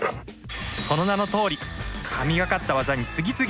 その名のとおり神がかった技に次々と挑戦。